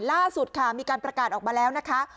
ล่าสุดค่ะมีการประกาศออกมาแล้วนะคะ